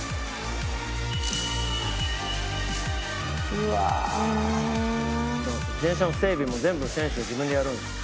「うわあ」「自転車の整備も全部選手が自分でやるんですよ」